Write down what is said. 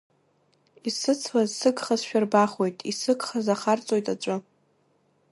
Исыцлаз сыгхазшәа рбахуеит, исыгхаз ахарҵоит аҵәы.